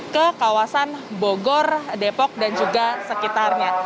ke kawasan bogor depok dan juga sekitarnya